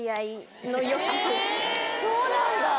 そうなんだ！